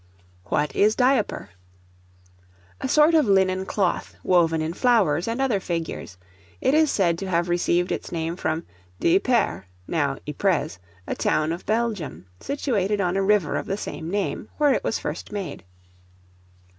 What is Diaper? A sort of linen cloth, woven in flowers, and other figures; it is said to have received its name from d'Iper, now Ypres, a town of Belgium, situated on a river of the same name, where it was first made.